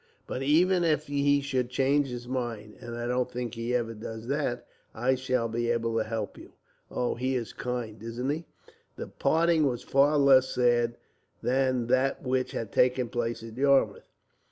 But even if he should change his mind, and I don't think he ever does that, I shall be able to help you. "Oh, he is kind, isn't he?" The parting was far less sad than that which had taken place at Yarmouth.